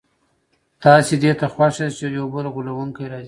تاسي دې ته خوښ یاست چي یو بل غولونکی راځي.